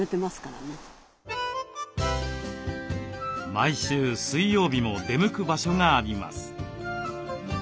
毎週水曜日も出向く場所があります。